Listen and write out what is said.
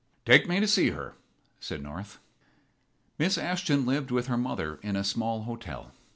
"Take me to see her," said North. Miss Ashton lived with her mother in a small hotel.